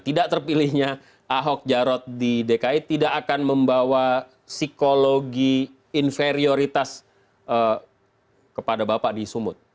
tidak terpilihnya ahok jarot di dki tidak akan membawa psikologi inferioritas kepada bapak di sumut